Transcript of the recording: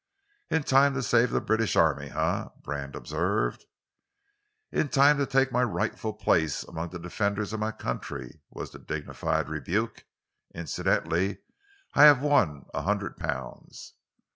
"In time to save the British Army, eh?" Brand observed. "In time to take my rightful place amongst the defenders of my country," was the dignified rebuke. "Incidentally, I have won a hundred pounds."